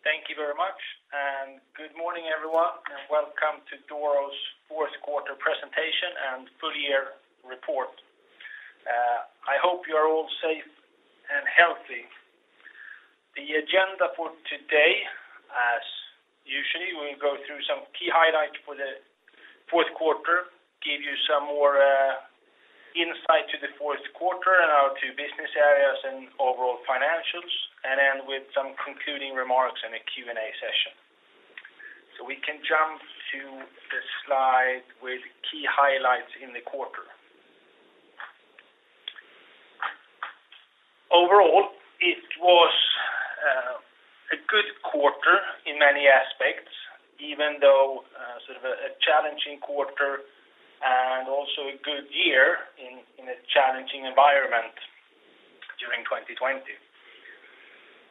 Thank you very much. Good morning, everyone, and welcome to Doro's fourth quarter presentation and full-year report. I hope you are all safe and healthy. The agenda for today, as usual, we'll go through some key highlights for the fourth quarter, give you some more insight to the fourth quarter and our two business areas and overall financials, and end with some concluding remarks and a Q&A session. We can jump to the slide with key highlights in the quarter. Overall, it was a good quarter in many aspects, even though a challenging quarter, and also a good year in a challenging environment during 2020.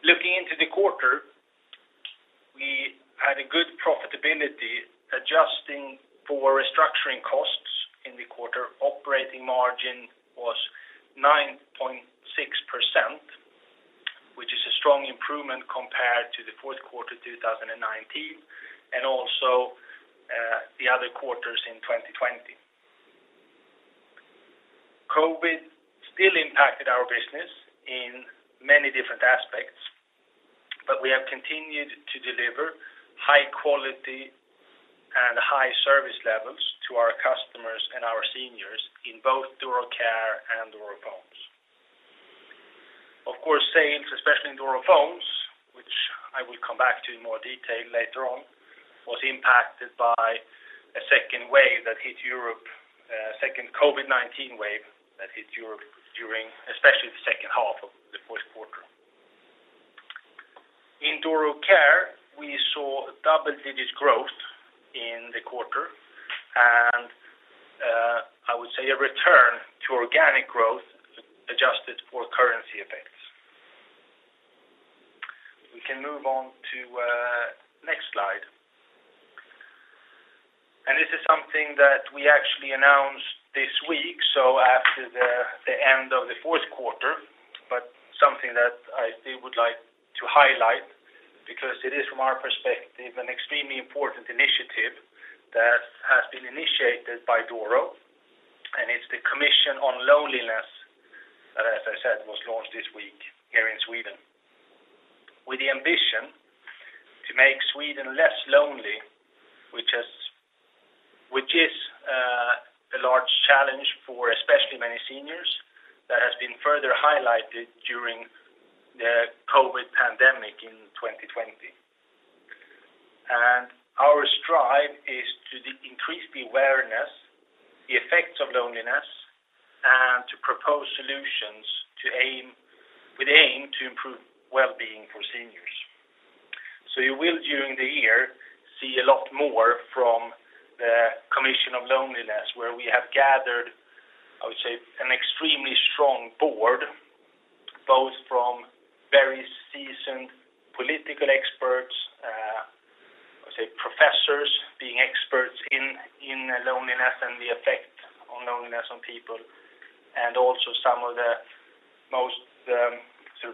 Looking into the quarter, we had a good profitability adjusting for restructuring costs in the quarter. Operating margin was 9.6%, which is a strong improvement compared to the fourth quarter 2019 and also the other quarters in 2020. COVID still impacted our business in many different aspects. We have continued to deliver high quality and high service levels to our customers and our seniors in both Doro Care and Doro Phones. Of course, sales, especially in Doro Phones, which I will come back to in more detail later on, was impacted by a second COVID-19 wave that hit Europe during especially the second half of the fourth quarter. In Doro Care, we saw double-digit growth in the quarter, and I would say a return to organic growth adjusted for currency effects. We can move on to next slide. This is something that we actually announced this week, so after the end of the fourth quarter, but something that I still would like to highlight because it is, from our perspective, an extremely important initiative that has been initiated by Doro, and it's the Commission on Loneliness that, as I said, was launched this week here in Sweden. With the ambition to make Sweden less lonely, which is a large challenge for especially many seniors, that has been further highlighted during the COVID pandemic in 2020. Our strive is to increase the awareness, the effects of loneliness, and to propose solutions with aim to improve wellbeing for seniors. You will, during the year, see a lot more from the Commission of Loneliness, where we have gathered, I would say, an extremely strong board, both from very seasoned political experts, I would say professors being experts in loneliness and the effect of loneliness on people, and also some of the most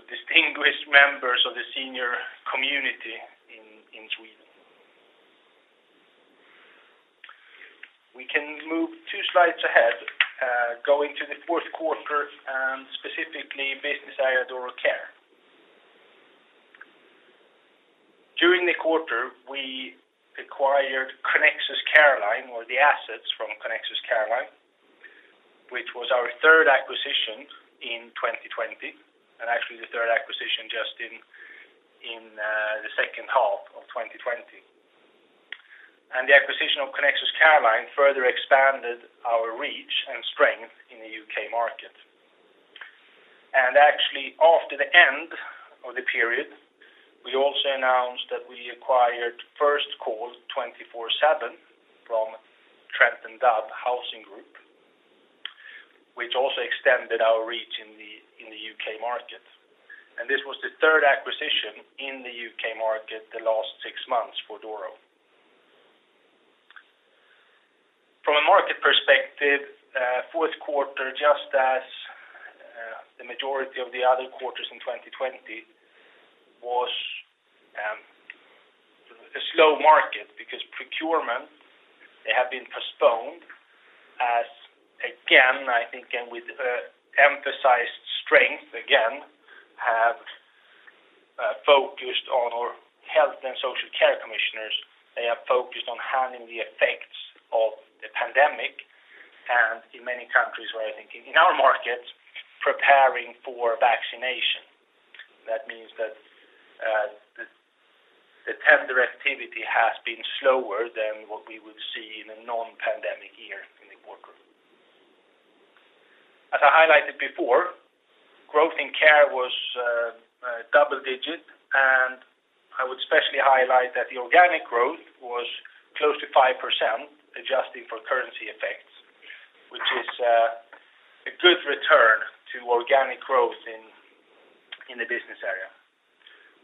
distinguished members of the senior community in Sweden. We can move two slides ahead, going to the fourth quarter and specifically business area Doro Care. During the quarter, we acquired Connexus Careline or the assets from Connexus Careline, which was our third acquisition in 2020, and actually the third acquisition just in the second half of 2020. The acquisition of Connexus Careline further expanded our reach and strength in the U.K. market. Actually, after the end of the period, we also announced that we acquired FirstCall 24/7 from Trent and Dove Housing, which also extended our reach in the U.K. market. This was the third acquisition in the U.K. market the last six months for Doro. From a market perspective, fourth quarter, just as the majority of the other quarters in 2020, was a slow market because procurement, they have been postponed as, again, I think, and with emphasized strength again, our health and social care commissioners, they are focused on handling the effects of the pandemic, and in many countries where I think in our markets, preparing for vaccination. That means that the tender activity has been slower than what we would see in a non-pandemic year in the quarter. As I highlighted before, growth in Doro Care was double-digit, and I would especially highlight that the organic growth was close to 5% adjusting for currency effects, which is a good return to organic growth in the business area.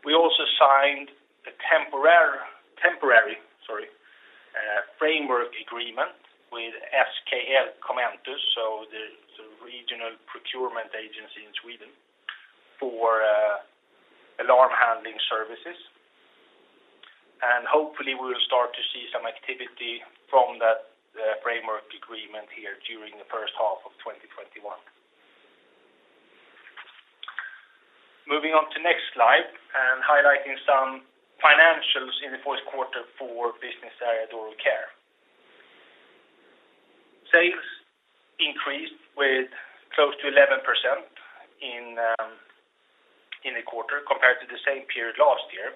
We also signed framework agreement with SKL Kommentus, so the regional procurement agency in Sweden, for alarm handling services. Hopefully we'll start to see some activity from that framework agreement here during the first half of 2021. Moving on to next slide, and highlighting some financials in the fourth quarter for business area Doro Care. Sales increased with close to 11% in the quarter compared to the same period last year,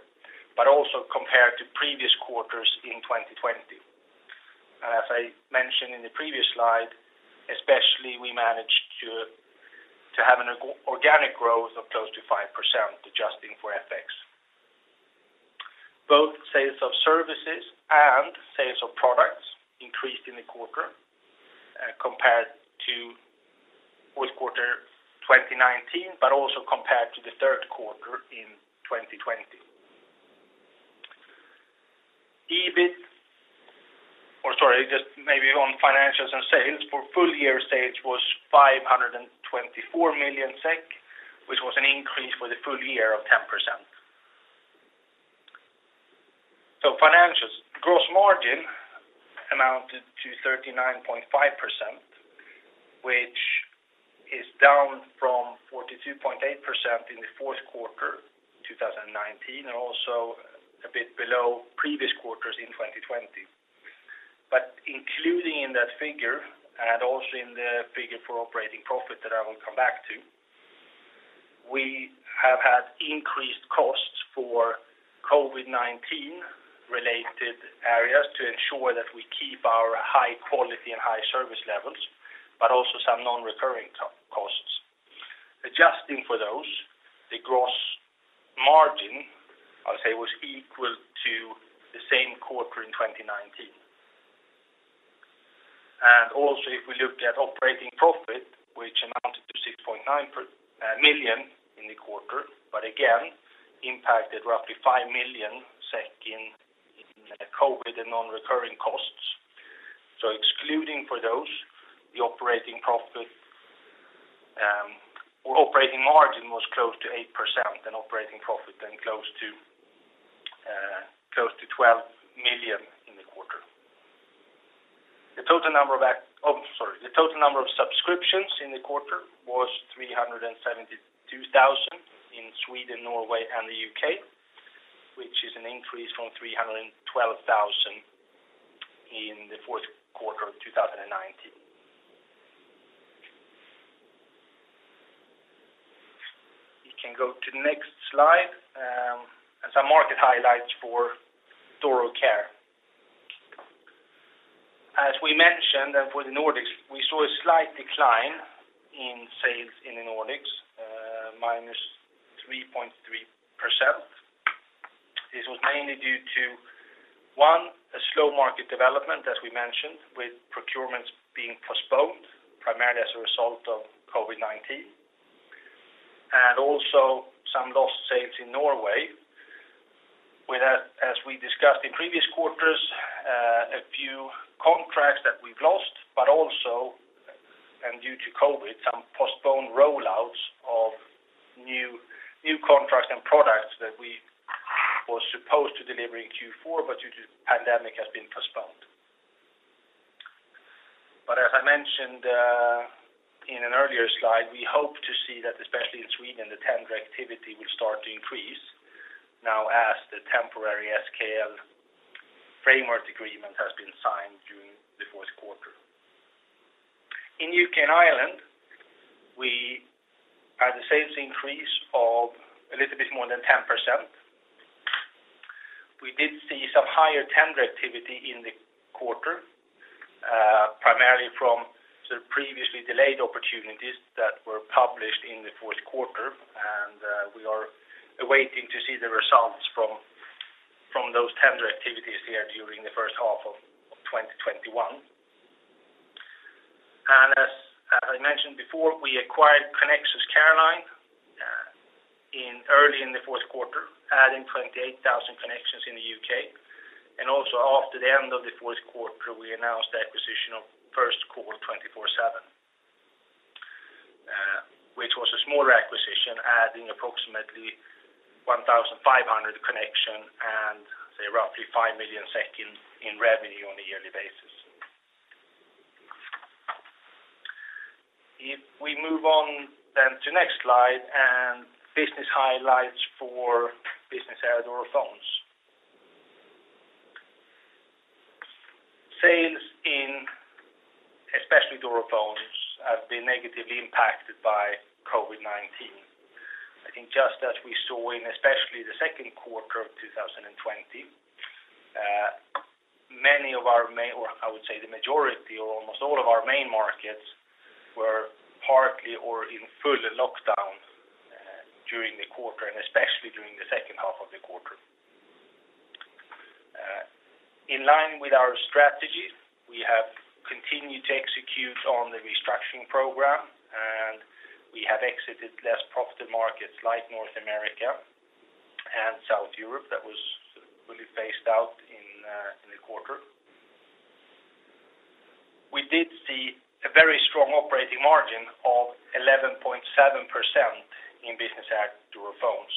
but also compared to previous quarters in 2020. As I mentioned in the previous slide, especially we managed to have an organic growth of close to 5%, adjusting for FX. Both sales of services and sales of products increased in the quarter compared to fourth quarter 2019, also compared to the third quarter in 2020. Maybe on financials and sales, for full year sales was 524 million SEK, which was an increase for the full year of 10%. Financials. Gross margin amounted to 39.5%, which is down from 42.8% in the fourth quarter 2019, also a bit below previous quarters in 2020. Including in that figure, also in the figure for operating profit that I will come back to, we have had increased costs for COVID-19 related areas to ensure that we keep our high quality and high service levels, also some non-recurring costs. Adjusting for those, the gross margin, I'll say, was equal to the same quarter in 2019. If we look at operating profit, which amounted to 6.9 million in the quarter, but again, impacted roughly 5 million in COVID and non-recurring costs. Excluding for those, the operating margin was close to 8%, and operating profit then close to 12 million in the quarter. The total number of subscriptions in the quarter was 372,000 in Sweden, Norway, and the U.K., which is an increase from 312,000 in the fourth quarter of 2019. You can go to the next slide. Some market highlights for Doro Care. As we mentioned with the Nordics, we saw a slight decline in sales in the Nordics, -3.3%. This was mainly due to, one, a slow market development, as we mentioned, with procurements being postponed, primarily as a result of COVID-19, and also some lost sales in Norway. As we discussed in previous quarters, a few contracts that we've lost, but also, and due to COVID, some postponed roll-outs of new contracts and products that we were supposed to deliver in Q4, but due to the pandemic have been postponed. As I mentioned in an earlier slide, we hope to see that, especially in Sweden, the tender activity will start to increase, now as the temporary SKL framework agreement has been signed during the fourth quarter. In U.K. and Ireland, we had a sales increase of a little bit more than 10%. We did see some higher tender activity in the quarter, primarily from the previously delayed opportunities that were published in the fourth quarter, and we are waiting to see the results from those tender activities here during the first half of 2021. As I mentioned before, we acquired Connexus Careline early in Q4, adding 28,000 connections in the U.K. Also after the end of Q4, we announced the acquisition of FirstCall 24/7. Which was a smaller acquisition, adding approximately 1,500 connection and, say, roughly 5 million in revenue on a yearly basis. If we move on then to next slide, and business highlights for business area Doro Phones. Sales in especially Doro Phones have been negatively impacted by COVID-19. I think just as we saw in especially Q2 2020, many of our main, or I would say the majority or almost all of our main markets were partly or in full lockdown during the quarter, and especially during the second half of the quarter. In line with our strategy, we have continued to execute on the restructuring program, and we have exited less profitable markets like North America. South Europe, that was really phased out in the quarter. We did see a very strong operating margin of 11.7% in Business Area Doro Phones.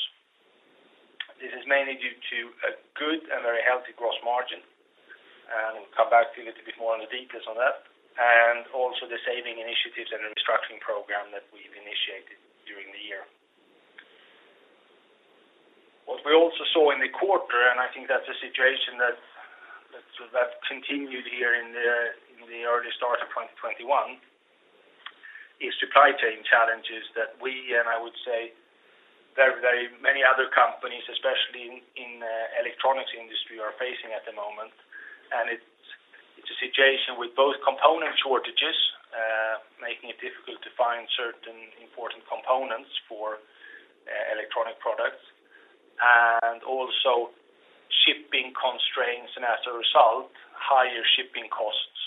This is mainly due to a good and very healthy gross margin. We'll come back to a little bit more on the details on that. Also the saving initiatives and the restructuring program that we've initiated during the year. What we also saw in the quarter, and I think that's a situation that continued here in the early start of 2021, is supply chain challenges that we, and I would say very many other companies, especially in the electronics industry, are facing at the moment. It's a situation with both component shortages, making it difficult to find certain important components for electronic products, and also shipping constraints, and as a result, higher shipping costs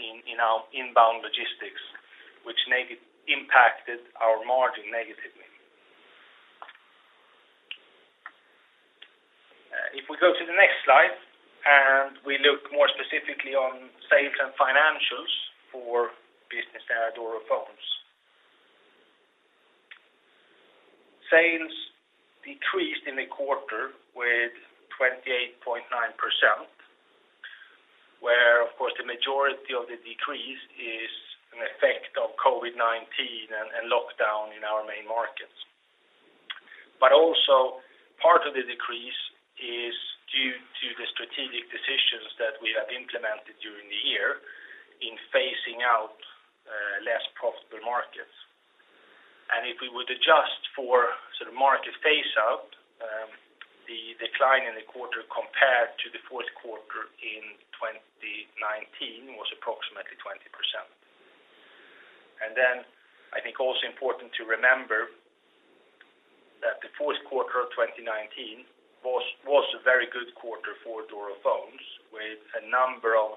in our inbound logistics, which impacted our margin negatively. If we go to the next slide and we look more specifically on sales and financials for Business Area Doro Phones. Sales decreased in the quarter with 28.9%, where, of course, the majority of the decrease is an effect of COVID-19 and lockdown in our main markets. Also part of the decrease is due to the strategic decisions that we have implemented during the year in phasing out less profitable markets. If we would adjust for market phase out, the decline in the quarter compared to the fourth quarter in 2019 was approximately 20%. Then I think also important to remember that the fourth quarter of 2019 was a very good quarter for Doro Phones, with a number of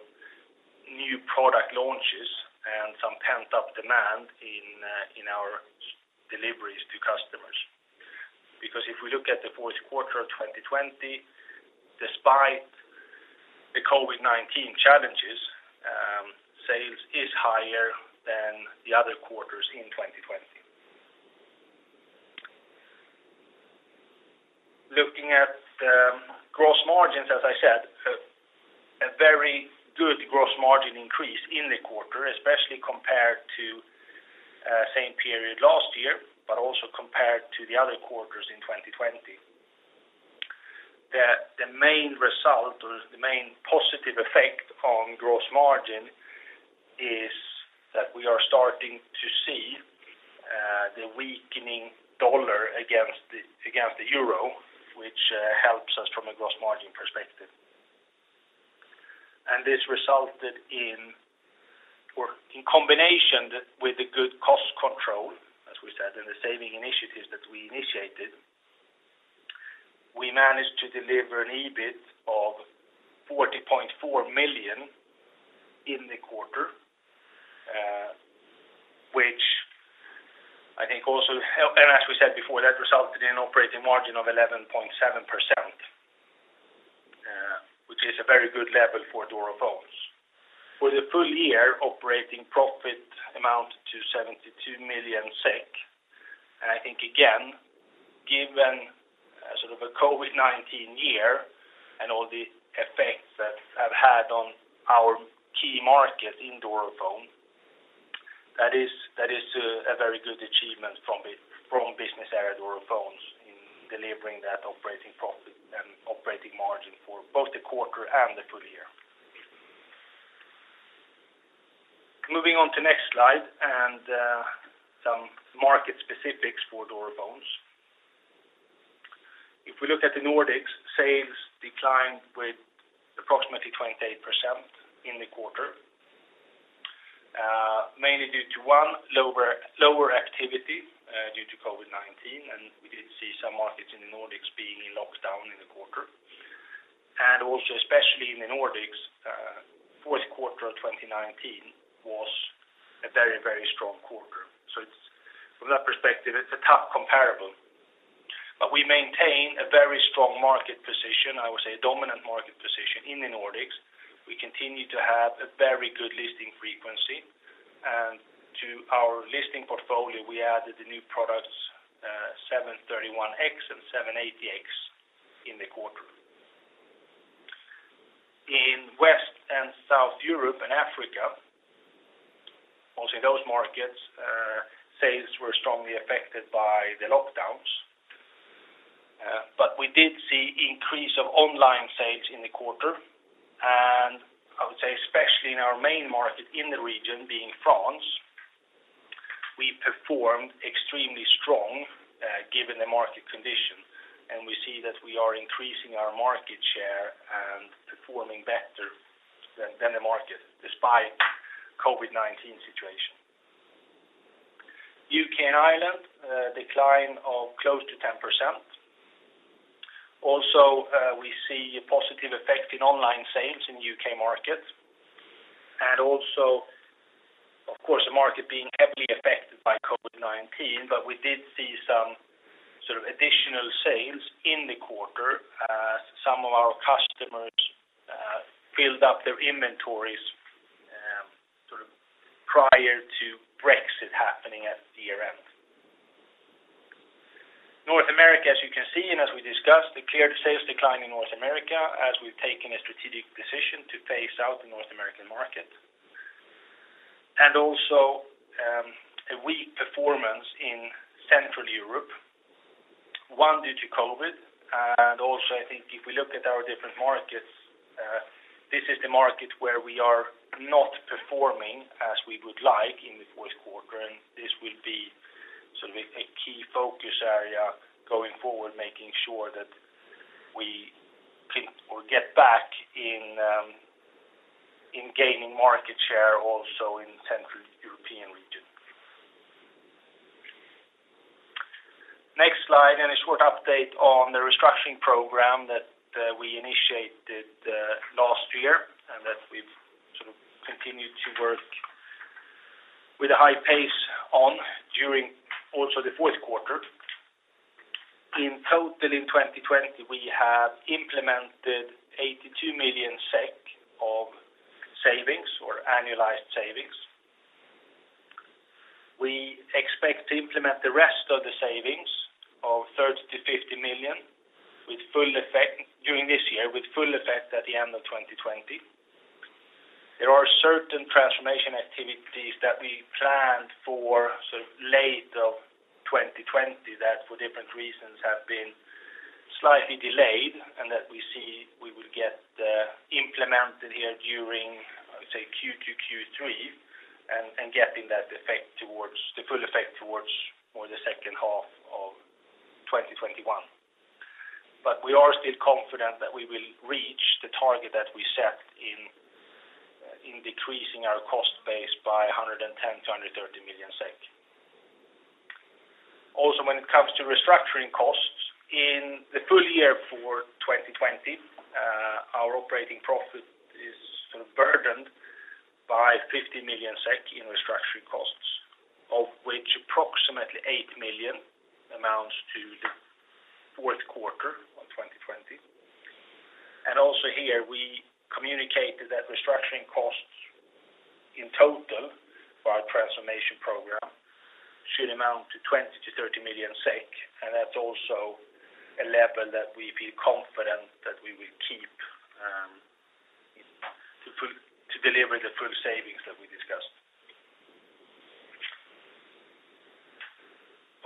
new product launches and some pent-up demand in our deliveries to customers. If we look at the fourth quarter of 2020, despite the COVID-19 challenges, sales is higher than the other quarters in 2020. Looking at the gross margins, as I said, a very good gross margin increase in the quarter, especially compared to same period last year, but also compared to the other quarters in 2020. The main result or the main positive effect on gross margin is that we are starting to see the weakening dollar against the euro, which helps us from a gross margin perspective. This resulted in, or in combination with the good cost control, as we said, and the saving initiatives that we initiated, we managed to deliver an EBIT of 40.4 million in the quarter, and as we said before, that resulted in operating margin of 11.7%, which is a very good level for Doro Phones. For the full year, operating profit amounted to 72 million SEK. I think again, given a COVID-19 year and all the effects that have had on our key markets in Doro Phones, that is a very good achievement from Business Area Doro Phones in delivering that operating profit and operating margin for both the quarter and the full year. Moving on to next slide and some market specifics for Doro Phones. If we look at the Nordics, sales declined with approximately 28% in the quarter. Mainly due to, one, lower activity due to COVID-19, we did see some markets in the Nordics being in lockdown in the quarter. Especially in the Nordics, fourth quarter of 2019 was a very strong quarter. From that perspective, it's a tough comparable. We maintain a very strong market position, I would say a dominant market position in the Nordics. We continue to have a very good listing frequency. To our listing portfolio, we added the new products 731X and 780X in the quarter. In West and South Europe and Africa, also those markets, sales were strongly affected by the lockdowns. We did see increase of online sales in the quarter, and I would say especially in our main market in the region being France, we performed extremely strong given the market condition, and we see that we are increasing our market share and performing better than the market despite COVID-19 situation. U.K. and Ireland, a decline of close to 10%. Also, we see a positive effect in online sales in U.K. market, and also, of course, the market being heavily affected by COVID-19. We did see some sort of additional sales in the quarter as some of our customers filled up their inventories prior to Brexit happening at the year-end. North America, as you can see, and as we discussed, the clear sales decline in North America as we've taken a strategic decision to phase out the North American market. Also, a weak performance in Central Europe, one, due to COVID. Also, I think if we look at our different markets, this is the market where we are not performing as we would like in the fourth quarter, and this will be sort of a key focus area going forward, making sure that we think we'll get back in gaining market share also in Central European region. Next slide. A short update on the restructuring program that we initiated last year, and that we've continued to work with a high pace on during also the fourth quarter. In total in 2020, we have implemented 82 million SEK of savings or annualized savings. We expect to implement the rest of the savings of 30 million-50 million during this year with full effect at the end of 2020. There are certain transformation activities that we planned for late of 2020 that for different reasons have been slightly delayed, and that we see we will get implemented here during, I would say Q2, Q3, and getting the full effect towards more the second half of 2021. We are still confident that we will reach the target that we set in decreasing our cost base by 110 million-130 million SEK. Also, when it comes to restructuring costs in the full year for 2020, our operating profit is sort of burdened by 50 million SEK in restructuring costs, of which approximately 8 million amounts to the fourth quarter of 2020. Also here we communicated that restructuring costs in total for our transformation program should amount to 20 million-30 million, and that's also a level that we feel confident that we will keep to deliver the full savings that we discussed.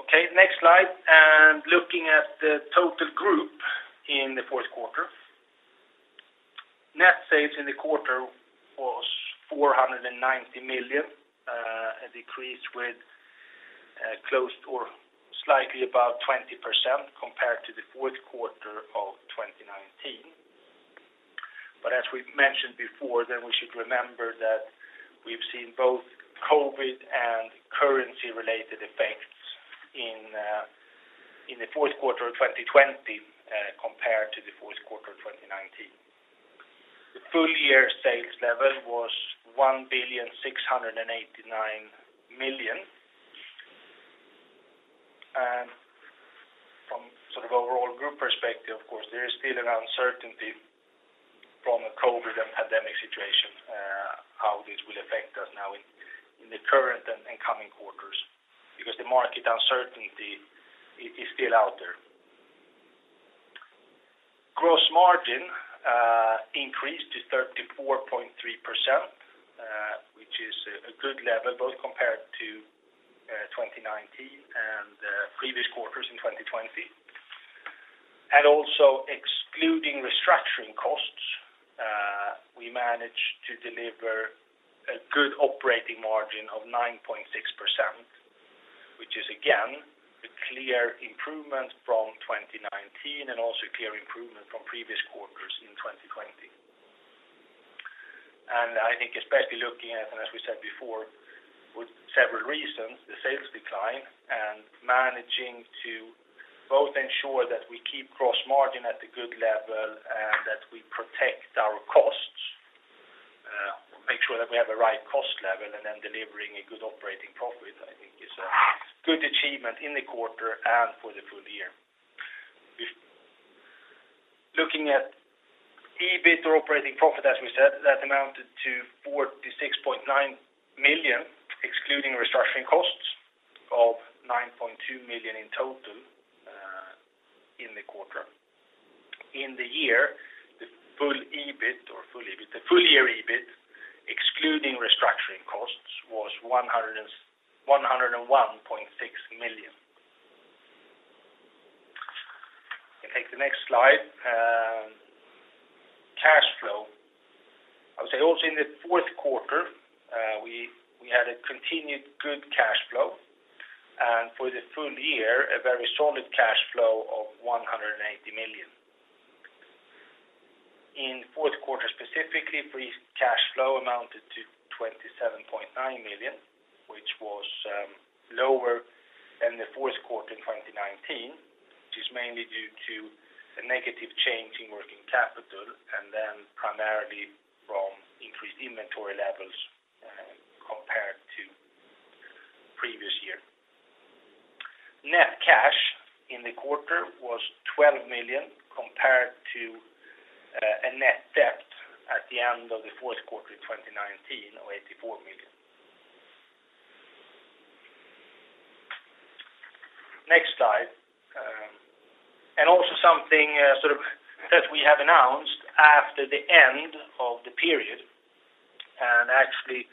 Okay, next slide. Looking at the total group in the fourth quarter. Net sales in the quarter was 490 million, a decrease with close to or slightly above 20% compared to the fourth quarter of 2019. As we mentioned before, then we should remember that we've seen both COVID and currency-related effects in the fourth quarter of 2020 compared to the fourth quarter of 2019. The full-year sales level was 1,689,000,000. From sort of overall group perspective, of course, there is still an uncertainty from a COVID and pandemic situation, how this will affect us now in the current and coming quarters because the market uncertainty is still out there. Gross margin increased to 34.3%, which is a good level both compared to 2019 and previous quarters in 2020. Also excluding restructuring costs, we managed to deliver a good operating margin of 9.6%, which is again, a clear improvement from 2019 and also clear improvement from previous quarters in 2020. I think especially looking at, and as we said before, with several reasons, the sales decline and managing to both ensure that we keep gross margin at a good level and that we protect our costs, make sure that we have the right cost level and then delivering a good operating profit I think is a good achievement in the quarter and for the full year. Looking at EBIT or operating profit, as we said, that amounted to 46.9 million, excluding restructuring costs of 9.2 million in total in the quarter. In the year, the full year EBIT excluding restructuring costs was SEK 101.6 million. You can take the next slide. Cash flow. I would say also in the fourth quarter, we had a continued good cash flow, and for the full year, a very solid cash flow of 180 million. In fourth quarter, specifically, free cash flow amounted to 27.9 million, which was lower than the fourth quarter in 2019, which is mainly due to a negative change in working capital, and then primarily from increased inventory levels compared to previous year. Net cash in the quarter was 12 million compared to a net debt at the end of the fourth quarter in 2019 of 84 million. Next slide. Also something that we have announced after the end of the period, and actually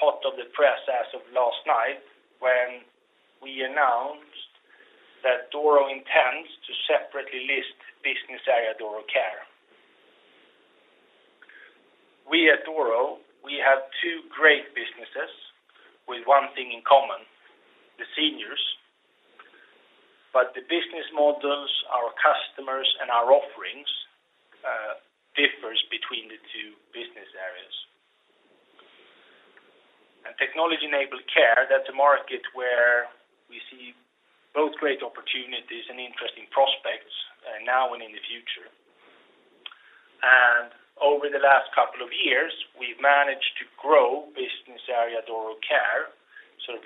hot off the press as of last night, when we announced that Doro intends to separately list business area Doro Care. We at Doro, we have two great businesses with one thing in common, the seniors. The business models, our customers, and our offerings differs between the two business areas. Technology-enabled care, that's a market where we see both great opportunities and interesting prospects now and in the future. Over the last couple of years, we've managed to grow business area Doro Care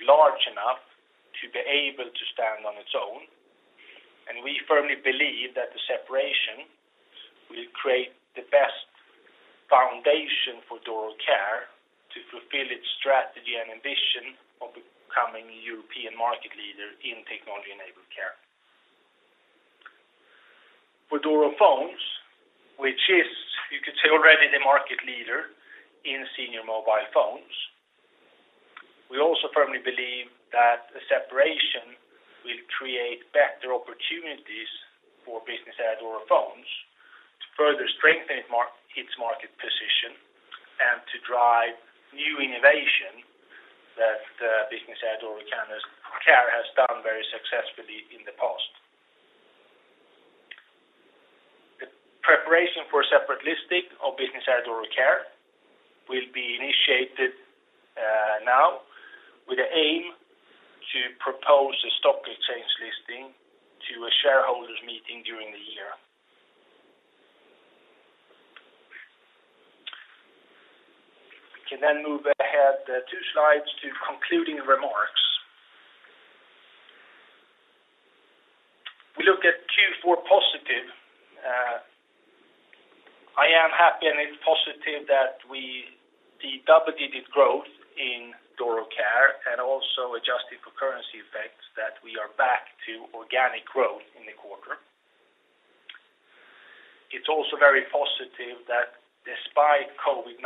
large enough to be able to stand on its own, and we firmly believe that the separation will create the best foundation for Doro Care to fulfill its strategy and ambition of becoming a European market leader in technology-enabled care. For Doro Phones, which is, you could say, already the market leader in senior mobile phones, we also firmly believe that the separation will create better opportunities for business area Doro Phones to further strengthen its market position and to drive new innovation that business area Doro Care has done very successfully in the past. The preparation for separate listing of business area Doro Care will be initiated now with the aim to propose a stock exchange listing to a shareholders meeting during the year. We can move ahead two slides to concluding remarks. We look at Q4 positive. I am happy, and it's positive the double-digit growth in Doro Care, and also adjusted for currency effects, that we are back to organic growth in the quarter. It's also very positive that despite COVID-19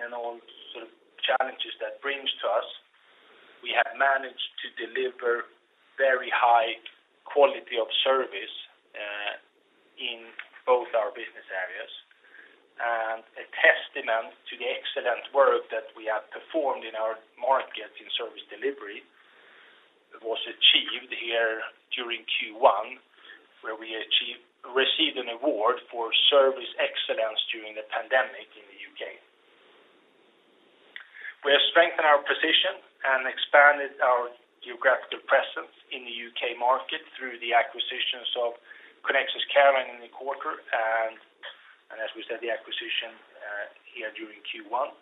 and all challenges that brings to us, we have managed to deliver very high quality of service in both our business areas. A testament to the excellent work that we have performed in our market in service delivery was achieved here during Q1, where we received an award for service excellence during the pandemic in the U.K. We have strengthened our position and expanded our geographical presence in the U.K. market through the acquisitions of Connexus Careline in the quarter, and as we said, the acquisition here during Q1.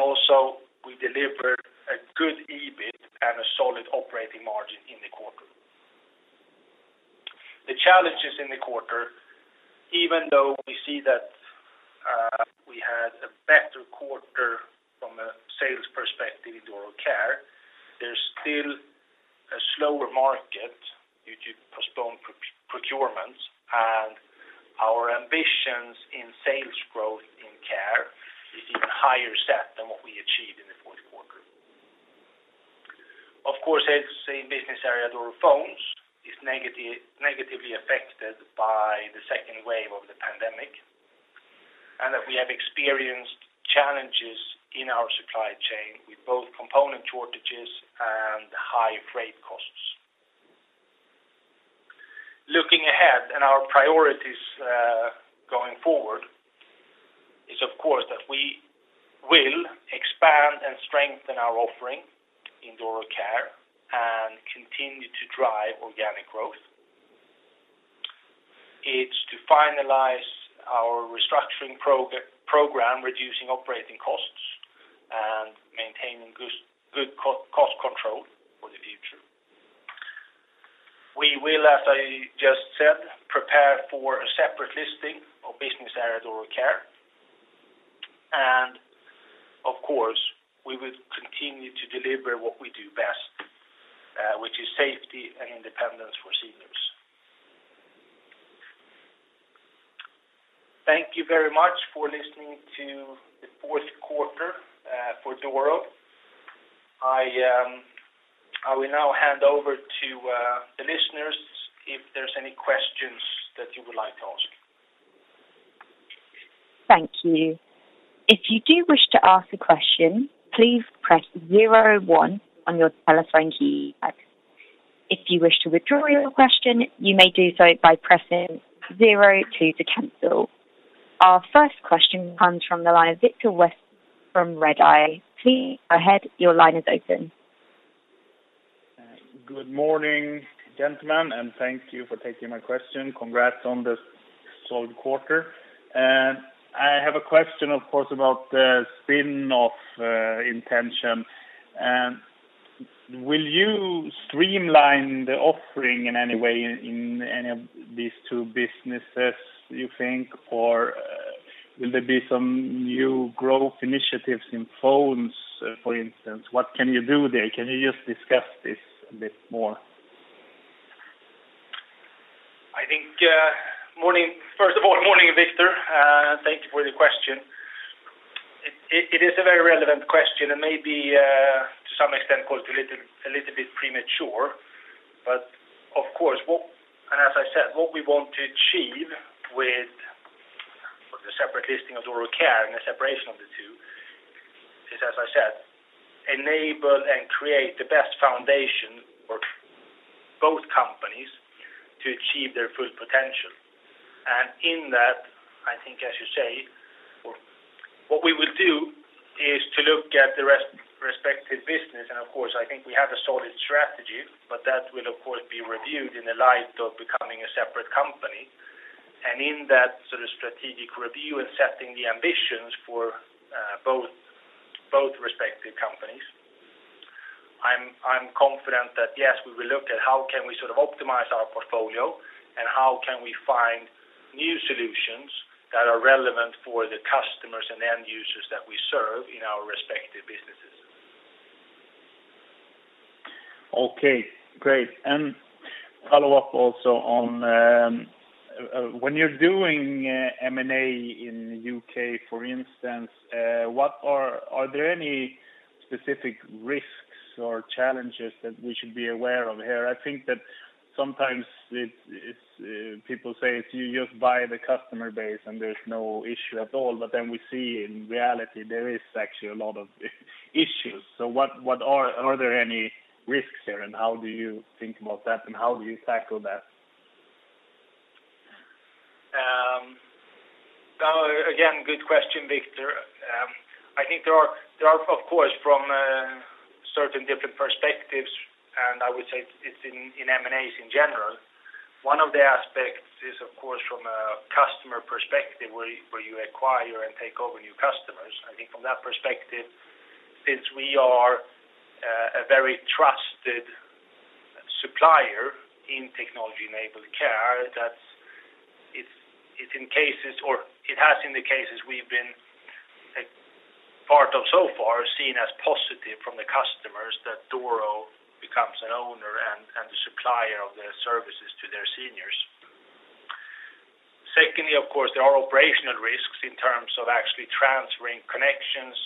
Also we delivered a good EBIT and a solid operating margin in the quarter. The challenges in the quarter, even though we see that we had a better quarter from a sales perspective in Doro Care, there's still a slower market due to postponed procurements, and our ambitions in sales growth in Care is even higher set than what we achieved in the fourth quarter. Of course, as I say, business area Doro Phones is negatively affected by the second wave of the pandemic, and that we have experienced challenges in our supply chain with both component shortages and high freight costs. Looking ahead and our priorities going forward is, of course, that we will expand and strengthen our offering in Doro Care and continue to drive organic growth. It's to finalize our restructuring program, reducing operating costs, and maintaining good cost control for the future. We will, as I just said, prepare for a separate listing of business area Doro Care. Of course, we will continue to deliver what we do best, which is safety and independence for seniors. Thank you very much for listening to the fourth quarter for Doro. I will now hand over to the listeners if there's any questions that you would like to ask. Thank you. Our first question comes from the line of Viktor Westman from Redeye. Please go ahead. Good morning, gentlemen, and thank you for taking my question. Congrats on the solid quarter. I have a question, of course, about the spin-off intention. Will you streamline the offering in any way in any of these two businesses, you think? Or will there be some new growth initiatives in Doro Phones, for instance? What can you do there? Can you just discuss this a bit more? First of all, morning, Viktor. Thank you for the question. It is a very relevant question, and maybe to some extent a little bit premature. Of course, and as I said, what we want to achieve with the separate listing of Doro Care and the separation of the two is enable and create the best foundation for both companies to achieve their full potential. In that, I think as you say, what we will do is to look at the respective business. Of course, I think we have a solid strategy, but that will of course be reviewed in the light of becoming a separate company. In that sort of strategic review and setting the ambitions for both respective companies, I'm confident that yes, we will look at how can we optimize our portfolio, and how can we find new solutions that are relevant for the customers and end users that we serve in our respective businesses. Okay, great. Follow-up also on when you're doing M&A in U.K., for instance, are there any specific risks or challenges that we should be aware of here? I think that sometimes people say if you just buy the customer base and there's no issue at all, but then we see in reality, there is actually a lot of issues. Are there any risks here, and how do you think about that, and how do you tackle that? Again, good question, Viktor. I think there are from certain different perspectives. I would say it's in M&As in general. One of the aspects is from a customer perspective where you acquire and take over new customers. I think from that perspective, since we are a very trusted supplier in technology-enabled care, that it has in the cases we've been a part of so far seen as positive from the customers that Doro becomes an owner and the supplier of their services to their seniors. Secondly, there are operational risks in terms of actually transferring connections,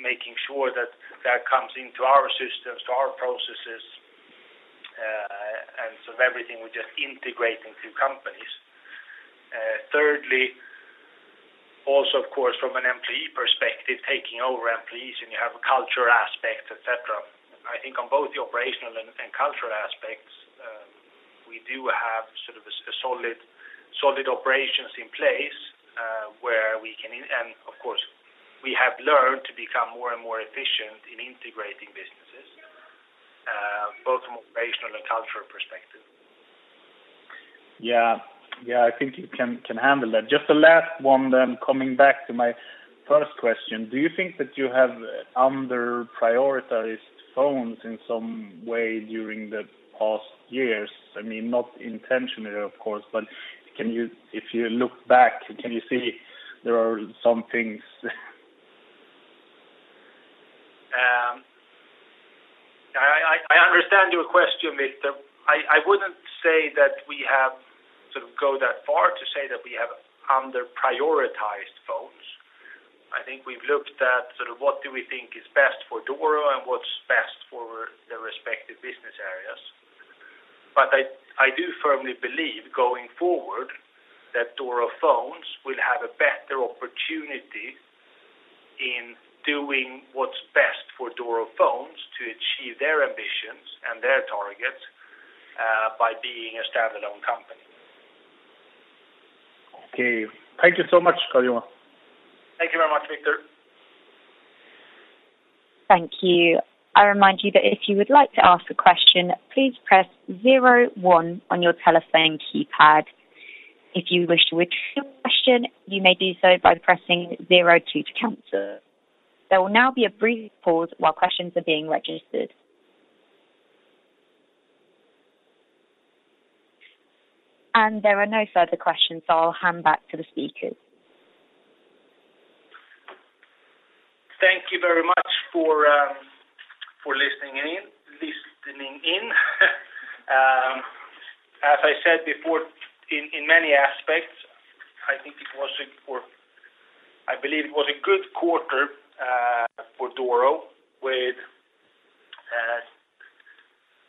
making sure that that comes into our systems, to our processes. Everything we just integrate into companies. Thirdly, also from an employee perspective, taking over employees. You have a culture aspect, et cetera. I think on both the operational and culture aspects, we do have solid operations in place where and of course, we have learned to become more and more efficient in integrating businesses both from operational and cultural perspective. Yeah. Just the last one then coming back to my first question. Do you think that you have under-prioritized phones in some way during the past years? Not intentionally, of course. If you look back, can you see there are some things? I understand your question, Viktor. I wouldn't say that we have to go that far to say that we have underprioritized phones. I think we've looked at what do we think is best for Doro and what's best for the respective business areas. I do firmly believe going forward that Doro Phones will have a better opportunity in doing what's best for Doro Phones to achieve their ambitions and their targets by being a standalone company. Okay. Thank you so much, Carl-Johan. Thank you very much, Viktor. Thank you. I remind you that if you would like to ask a question, please press zero one on your telephone keypad. If you wish to withdraw your question, you may do so by pressing zero two to cancel. There will now be a brief pause while questions are being registered. There are no further questions, so I'll hand back to the speakers. Thank you very much for listening in. As I said before, in many aspects, I believe it was a good quarter for Doro with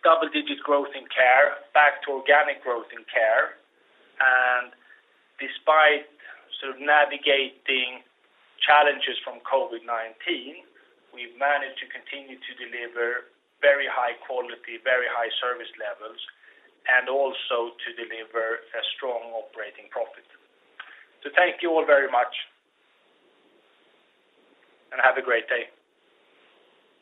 double-digit growth in Care, back to organic growth in Care. Despite navigating challenges from COVID-19, we've managed to continue to deliver very high quality, very high service levels, and also to deliver a strong operating profit. Thank you all very much, and have a great day.